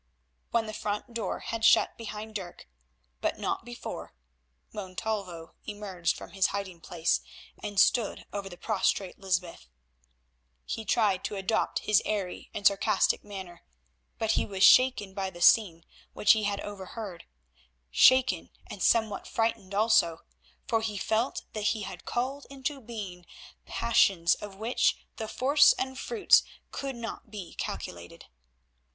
When the front door had shut behind Dirk, but not before, Montalvo emerged from his hiding place and stood over the prostrate Lysbeth. He tried to adopt his airy and sarcastic manner, but he was shaken by the scene which he had overheard, shaken and somewhat frightened also, for he felt that he had called into being passions of which the force and fruits could not be calculated.